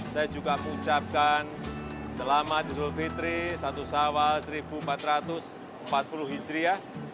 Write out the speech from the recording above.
saya juga mengucapkan selamat idul fitri satu sawal seribu empat ratus empat puluh hijriah